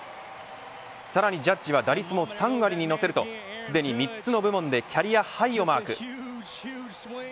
さらにジャッジは打率も３割にのせるとついに３つの部門でキャリアハイをマーク。